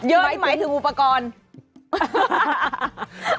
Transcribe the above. เยอะที่หมายถึงอุปกรณ์